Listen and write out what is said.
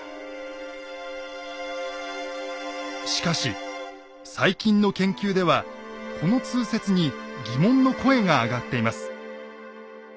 しかし最近の研究ではこの通説に疑問の声が上がっています。